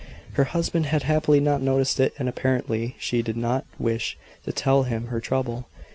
Her husband had happily not noticed it: and apparently, she did not wish to tell him her trouble.